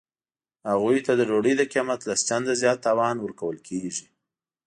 هغوی ته د ډوډۍ د قیمت لس چنده زیات تاوان ورکول کیږي